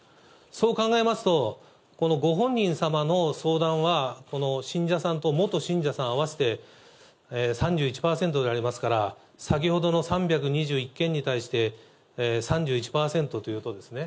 そう考えますと、このご本人様の相談は、この信者さんと元信者さん合わせて３１％でありますから、先ほどの３２１件に対して３１％ということですね。